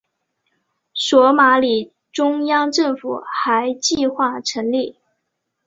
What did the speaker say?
索马里中央政府还计划成立。